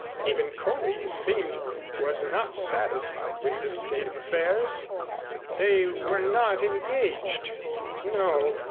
Even Coley, it seemed, was not satisfied with the state of affairs. They were not engaged. No.